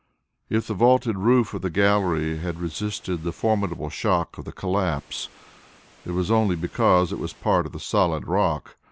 If the vaulted roof of the gallery had resisted the formidable shock of the collapse, it was only because it was part of the solid rock.